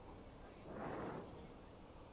Sin la menor duda.